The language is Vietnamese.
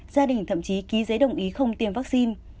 gia đình thậm chí ký giấy đồng ý không tiêm vaccine